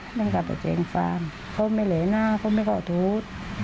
แม่นกลับอาจจะแข็งฟ้างเขาไม่เหลน่าเขาไหมก็ถูก